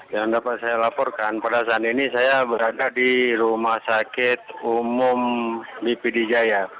yang dapat saya laporkan pada saat ini saya berada di rumah sakit umum mimpi dijaya